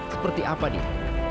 seperti apa dia